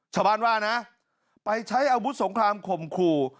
ชาวบ้านว่านะไปใช้อาวุธสงครามข่มขู่